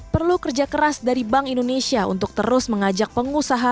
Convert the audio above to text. perlu kerja keras dari bank indonesia untuk terus mengajak pengusaha